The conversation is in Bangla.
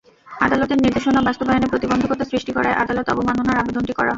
আদালতের নির্দেশনা বাস্তবায়নে প্রতিবন্ধকতা সৃষ্টি করায় আদালত অবমাননার আবেদনটি করা হয়।